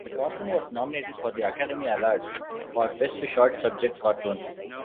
The cartoon was nominated for the Academy Award for Best Short Subject, Cartoons.